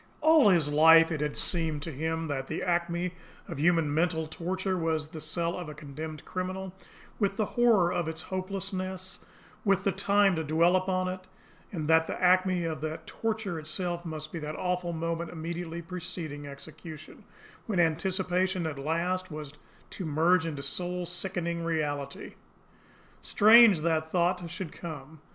All his life it had seemed to him that the acme of human mental torture was the cell of a condemned criminal, with the horror of its hopelessness, with the time to dwell upon it; and that the acme of that torture itself must be that awful moment immediately preceding execution, when anticipation at last was to merge into soul sickening reality. Strange that thought should come!